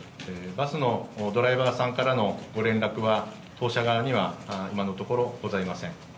バスのドライバーさんからのご連絡は、当社側には今のところ、ございません。